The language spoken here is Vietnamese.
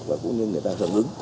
và cũng như người ta gần ứng